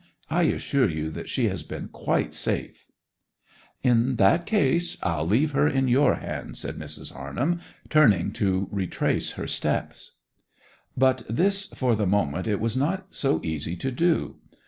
I assure you that she has been quite safe.' 'In that case I'll leave her in your hands,' said Mrs. Harnham, turning to retrace her steps. But this for the moment it was not so easy to do.